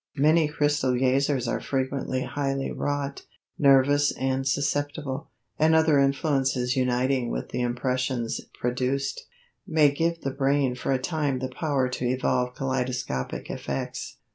Many crystal gazers are frequently very highly wrought, nervous and susceptible, and other influences uniting with the impressions produced, may give the brain for a time the power to evolve kaleidoscopic effects.